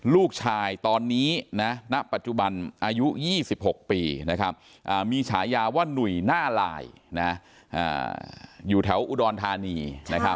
ลูกชายตอนนี้ณปัจจุบันอายุ๒๖ปีมีฉายาว่าหนุ่ยหน้าลายอยู่แถวอุดรธานี